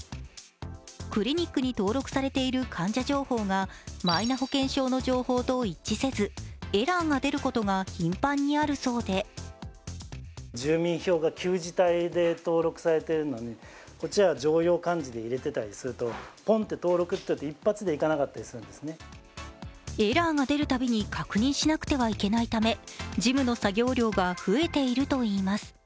クリニックに登録されている患者情報がマイナ保険証の情報と一致せずエラーが出ることが頻繁にあるそうでエラーが出るたびに確認しなくてはいけないため事務の作業量が増えているといいます。